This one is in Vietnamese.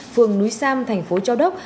phường núi sam thành phố châu đốc